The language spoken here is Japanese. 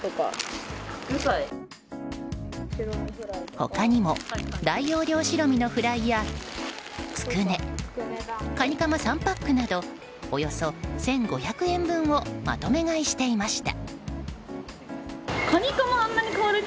他にも、大容量白身のフライやつくねカニカマ３パックなどおよそ１５００円分をまとめ買いしていました。